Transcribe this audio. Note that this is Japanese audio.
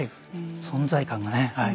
存在感がねはい。